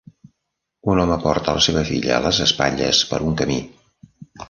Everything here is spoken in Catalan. Un home porta a la seva filla a les espatlles per un camí.